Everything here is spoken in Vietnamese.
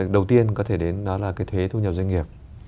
đầu tiên có thể đến đó là cái thuế thu nhập doanh nghiệp